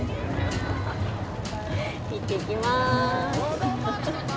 いってきます。